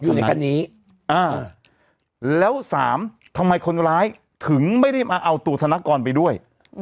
อยู่ในคันนี้แล้วสามทำไมคนร้ายถึงไม่ได้มาเอาตัวธนกรไปด้วย